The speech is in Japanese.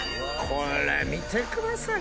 これ見てください